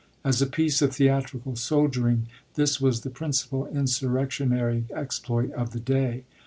As a piece of theatrical soldiering this was the principal insurrectionary exploit of the day.